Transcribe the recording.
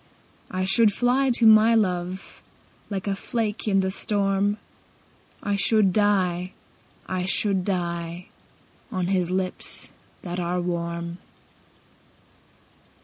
I should fly to my love Like a flake in the storm, I should die, I should die, On his lips that are warm.